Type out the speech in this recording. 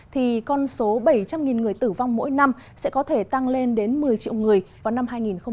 thì con số bảy trăm linh người tử vong mỗi năm sẽ có thể tăng lên đến một mươi triệu người vào năm hai nghìn ba mươi